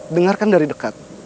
dengarkan dari dekat